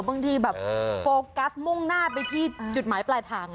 บางทีแบบโฟกัสมุ่งหน้าไปที่จุดหมายปลายทาง